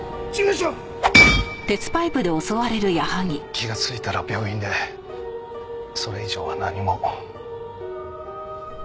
気がついたら病院でそれ以上は何も。